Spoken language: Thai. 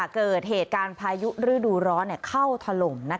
เกิดเหตุการณ์พายุฤดูร้อนเข้าถล่ม